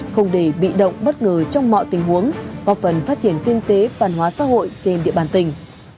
không để bị động bất ngờ trong mọi tình huống hoặc phần phát triển tiên tế phản hóa xã hội trên địa bàn tỉnh